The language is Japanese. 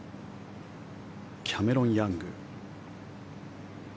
キャメロン・ヤング。